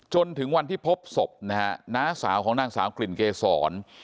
จนถึงวันที่พบศพนะฮะน้าสาวของนางสาวกลิ่นเกษร